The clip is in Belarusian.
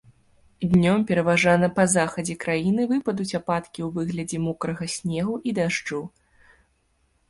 Днём пераважна па захадзе краіны выпадуць ападкі ў выглядзе мокрага снегу і дажджу.